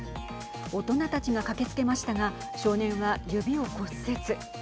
大人たちが駆けつけましたが少年は指を骨折。